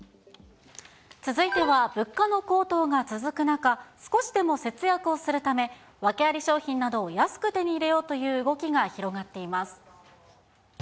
続いては物価の高騰が続く中、少しでも節約をするため、訳あり商品などを安く手に入れようという動きが広がっています。